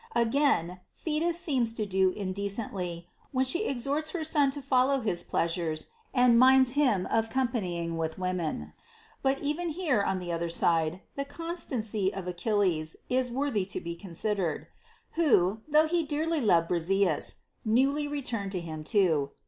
Again, Thetis seems to do indecently, when she exhorts her son to follow his pleasures and minds him of companying with women. But even here, on the other side, the continency of Achilles is worthy to be considered ; who, though he dearly loved Briseis — newly returned to him too.